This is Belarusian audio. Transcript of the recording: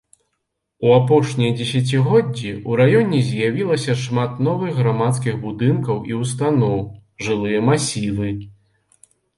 У апошнія дзесяцігоддзі ў раёне з'явілася шмат новых грамадскіх будынкаў і ўстаноў, жылыя масівы.